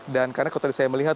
dan karena kalau tadi saya melihat